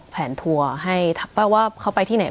สวัสดีครับทุกผู้ชม